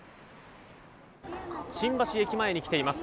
新橋駅前に来ています。